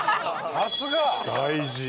さすが。